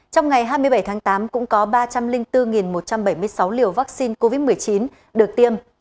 trong ngày hai mươi bảy tháng tám cũng có ba trăm linh bốn một trăm bảy mươi sáu liều vaccine covid một mươi chín được tiêm